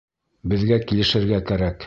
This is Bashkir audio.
Беҙгә килешергә кәрәк.